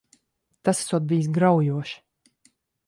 Tas esot bijis graujoši.